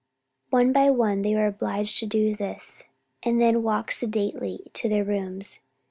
One by one they were obliged to do this and then walk sedately to their rooms.